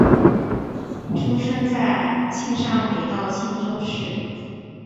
出生在庆尚北道庆州市。